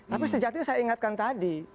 tapi sejatinya saya ingatkan tadi